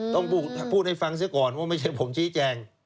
ต้องพูดให้ฟังเสียก่อนว่าไม่ใช่ผมชี้แจง